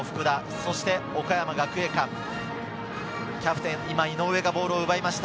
そして岡山学芸館、キャプテンの井上がボールを奪いました。